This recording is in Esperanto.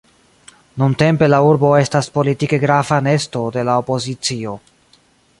Nuntempe la urbo estas politike grava nesto de la opozicio.